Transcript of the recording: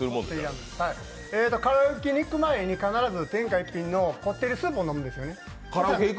カラオケに行く前に必ず天下一品のこってりスープを飲むんですよね。